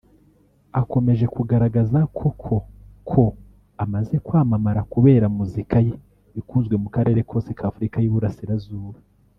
akomeje kugaragaza koko ko amaze kwamamara kubera muzika ye ikunzwe mu karere kose ka Afurika y’Iburasirazuba